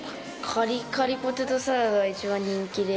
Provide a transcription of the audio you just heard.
カリカリポテトサラダが一番人気です。